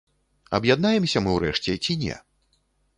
Аб'яднаемся мы ўрэшце ці не?